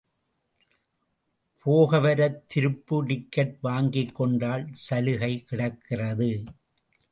போகவரத் திருப்பு டிக்கட் வாங்கிக்கொண்டால் சலுகை கிடைக்கிறது.